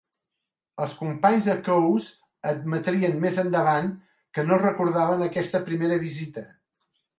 Els companys de Coase admetrien més endavant que no recordaven aquesta primera visita.